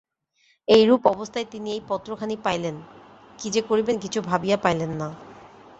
এইরূপ অবস্থায় তিনি এই পত্রখানি পাইলেন– কী যে করিবেন কিছু ভাবিয়া পাইলেন না।